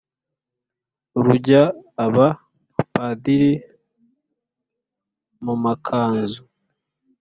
rurya aba padiri mu makanzu...